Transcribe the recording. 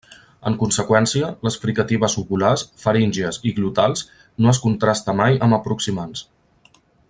En conseqüència, les fricatives uvulars, faríngies i glotals no es contraste mai amb aproximants.